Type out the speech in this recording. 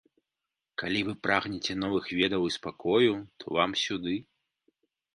Калі вы прагнеце новых ведаў і спакою, то вам сюды!